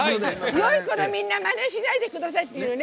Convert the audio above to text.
よい子のみんなはまねしないでくださいっていうね。